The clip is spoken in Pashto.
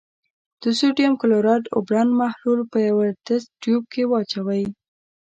د سوډیم کلورایډ اوبلن محلول په یوه تست تیوب کې واچوئ.